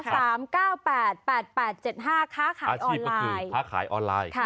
๘๘๗๕ค้าขายออนไลน์ค้าขายออนไลน์